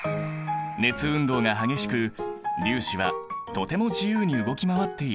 熱運動が激しく粒子はとても自由に動き回っているんだ。